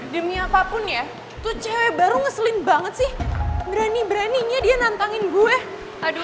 demi apapun ya tuh cewek baru ngeselin banget sih berani beraninya dia nantangin gue aduh